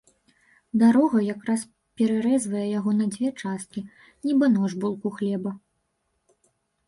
Дарога якраз перарэзвае яго на дзве часткі, нібы нож булку хлеба.